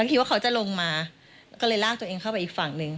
คิดว่าเขาจะลงมาก็เลยลากตัวเองเข้าไปอีกฝั่งหนึ่ง